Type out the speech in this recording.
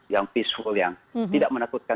yang peaceful yang tidak menakutkan